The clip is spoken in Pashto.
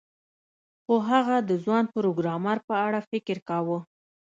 خو هغه د ځوان پروګرامر په اړه فکر کاوه